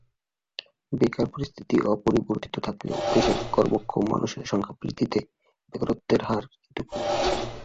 বেকার পরিস্থিতি অপরিবর্তিত থাকলেও দেশের কর্মক্ষম মানুষের সংখ্যা বৃদ্ধিতে বেকারত্বের হার কিন্তু কমেছে।